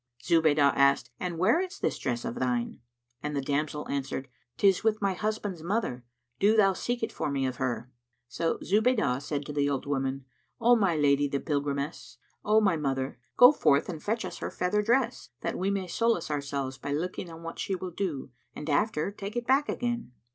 Zubaydah asked, "And where is this dress of thine?"; and the damsel answered, "'Tis with my husband's mother. Do thou seek it for me of her." So Zubaydah said to the old woman, "O my lady the pilgrimess, O my mother, go forth and fetch us her feather dress, that we may solace ourselves by looking on what she will do, and after take it back again."